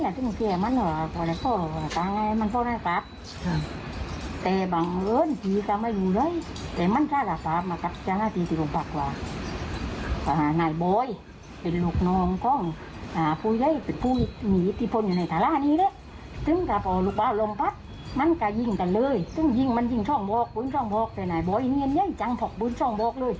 แล้วทุกคนเกลียดมันว่าวันไหล่ช่องกันไงมันช่องกันกันกัน